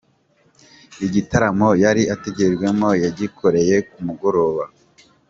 Igitaramo yari ategerejwemo yagikoreye ku mugoroba